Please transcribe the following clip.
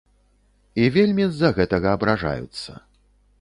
І вельмі з-за гэтага абражаюцца.